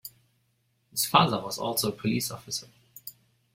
His father was also a police officer.